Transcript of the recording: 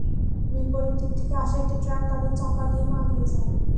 বিপরীত দিক থেকে আসা একটি ট্রাক তাঁদের চাপা দিয়ে পালিয়ে যায়।